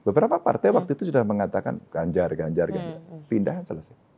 beberapa partai waktu itu sudah mengatakan ganjar ganjar kan pindah selesai